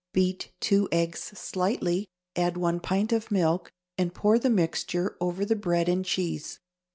Beat two eggs slightly, add one pint of milk, and pour the mixture over the bread and cheese.